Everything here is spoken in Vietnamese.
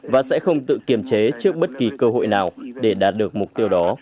và sẽ không tự kiềm chế trước bất kỳ cơ hội nào để đạt được mục tiêu đó